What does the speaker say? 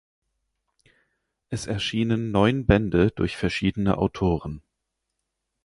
Es erschienen neun Bände durch verschiedene Autoren.